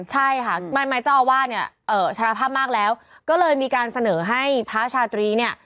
ใช่ค่ะไม่เจ้าอาวาสเนี่ยสารภาพมากแล้วก็เลยมีการเสนอให้พระชาตรีเนี่ย